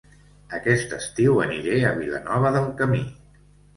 Aquest estiu aniré a Vilanova del Camí